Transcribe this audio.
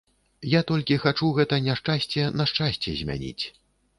Я толькі хачу гэта няшчасце на шчасце змяніць.